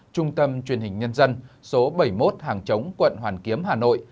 trung tâm truyền hình nhân dân số bảy mươi một hàng chống quận hoàn kiếm hà nội